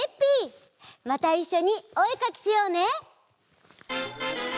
またいっしょにおえかきしようね！